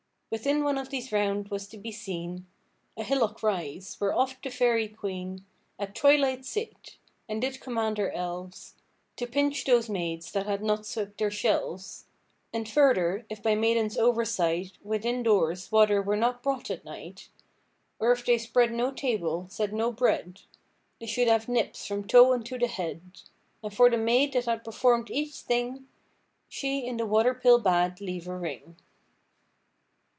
Within one of these rounds was to be seene A hillock rise, where oft the fairie queene At twy–light sate, and did command her elves To pinch those maids that had not swept their shelves: And further, if by maidens' over–sight Within doores water were not brought at night, Or if they spred no table, set no bread, They should have nips from toe unto the head; And for the maid that had perform'd each thing, She in the water–pail bad leave a ring."